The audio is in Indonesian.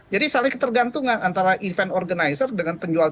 jadi saling tergantung antara event organizer dengan penjualan